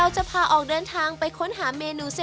ในจนกร้านเป็นแค่สิ้น